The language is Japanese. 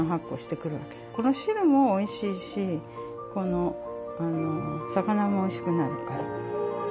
この汁もおいしいしこの魚もおいしくなるから。